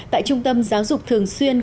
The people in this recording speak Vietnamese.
tại trung tâm giáo dục thường xuyên